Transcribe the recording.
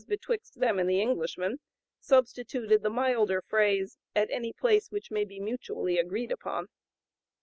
078) betwixt them and the Englishmen, substituted the milder phrase, "at any place which may be mutually agreed upon."